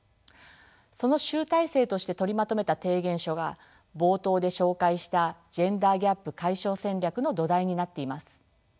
その集大成として取りまとめた提言書が冒頭で紹介したジェンダーギャップ解消戦略の土台になっています。